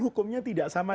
hukumnya tidak sama